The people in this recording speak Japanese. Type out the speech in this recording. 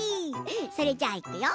それじゃあ、いくよ！